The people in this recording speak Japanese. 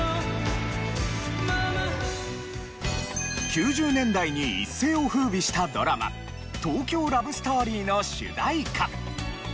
９０年代に一世を風靡したドラマ『東京ラブストーリー』の主題歌。